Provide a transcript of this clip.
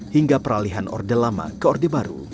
hingga peralihan orde lama ke orde baru